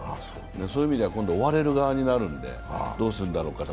そういう意味では今度追われる側になるんでどうするかって。